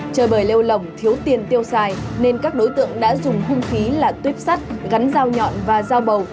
chơi bởi lêu lỏng thiếu tiền tiêu xài nên các đối tượng đã dùng hung khí là tuyếp sắt gắn dao nhọn và dao bầu